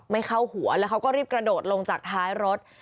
ไม่เข้าหัวแล้วเขาก็รีบกระโดดลงจากท้ายรถ